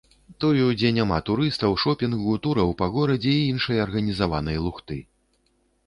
Тую, дзе няма турыстаў, шопінгу, тураў па горадзе і іншай арганізаванай лухты.